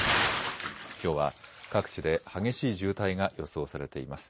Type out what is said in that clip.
きょうは各地で激しい渋滞が予想されています。